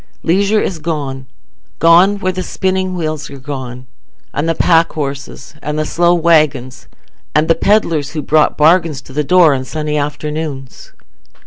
Leisure is gone—gone where the spinning wheels are gone, and the pack horses, and the slow waggons, and the pedlars, who brought bargains to the door on sunny afternoons.